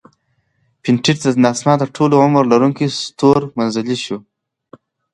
پېټټ د ناسا تر ټولو عمر لرونکی ستور مزلی شو.